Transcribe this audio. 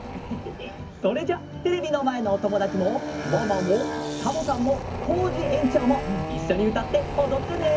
それじゃテレビのまえのおともだちもワンワンもサボさんもコージえんちょうもいっしょにうたっておどってね。